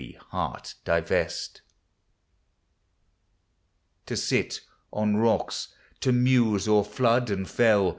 \ heart divest. To sit on rocks, to muse o'er flood and fell.